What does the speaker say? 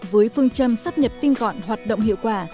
với phương châm sắp nhập tinh gọn hoạt động hiệu quả